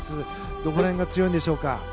どの辺が強いでしょうか